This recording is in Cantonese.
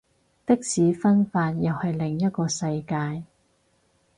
的士分法又係另一個世界